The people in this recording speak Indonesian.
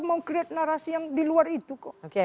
membuat narasi yang di luar itu kok oke